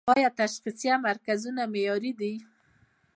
آیا تشخیصیه مرکزونه معیاري دي؟